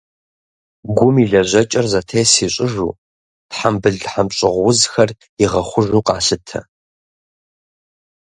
Гум и лэжьэкӏэр зэтес ищӏыжу, тхьэмбыл-тхьэмщӏыгъу узхэр игъэхъужу къалъытэ.